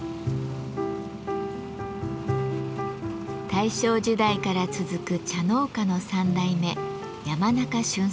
大正時代から続く茶農家の３代目山中俊作さん。